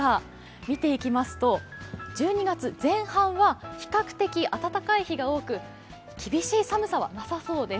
見ていきますと、１２月前半は比較的暖かい日が多く、厳しい寒さはなさそうです。